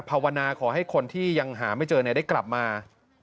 ภาวนาขอให้คนที่ยังหาไม่เจอได้กลับมา